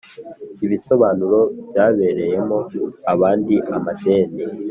ibisobanuro by ababereyemo abandi amadene